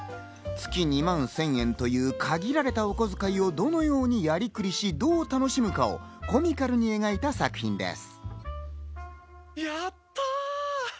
月に２万千円という限られたおこづかいをどのようにやりくりし、どう楽しむかをコミカルに描いた作品です。